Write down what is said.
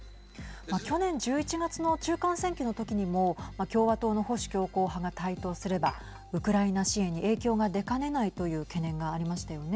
去年１１月の中間選挙の時にも共和党の保守強硬派が台頭すればウクライナ支援に影響が出かねないという懸念がありましたよね。